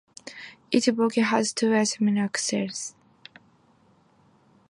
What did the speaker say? Each bogie has two, separately propelled axles.